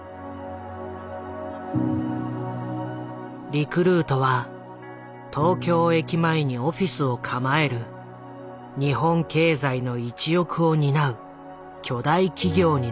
リクルートは東京駅前にオフィスを構える日本経済の一翼を担う巨大企業になった。